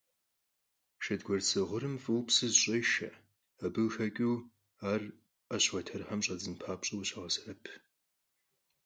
Шэдгуарцэ гъурым фӀыуэ псы зэщӀешэ, абы къыхэкӀыу ар Ӏэщ уэтэрхэм щӀэдзын папщӀэу къыщагъэсэбэп.